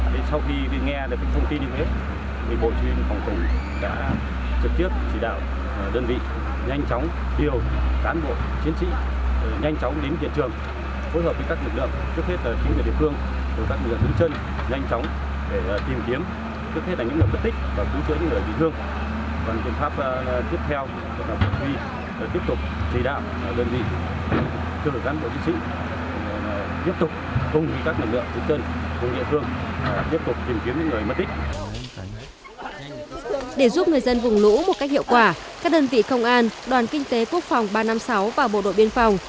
để giúp người dân vùng lũ một cách hiệu quả các đơn vị công an đoàn kinh tế quốc phòng ba trăm năm mươi sáu và bộ đội biên phòng